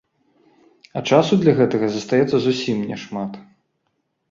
А часу для гэтага застаецца зусім няшмат.